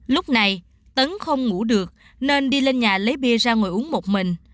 lúc này tấn không ngủ được nên đi lên nhà lấy bia ra ngồi uống một mình